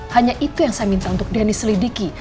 hanya itu yang saya minta untuk denny selidiki